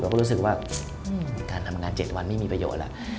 ก็รู้สึกว่าการทำงาน๗วันไม่มีประโยชน์แล้ว